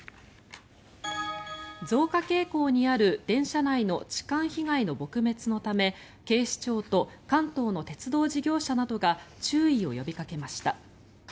増加傾向にある電車内の痴漢被害の撲滅のため警視庁と関東の鉄道事業者などが注意を呼びかけました。